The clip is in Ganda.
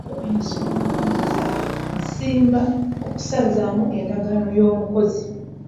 Walina okubaawo ensonga nga za ssimba okusazaamu endagaano y'omukozi.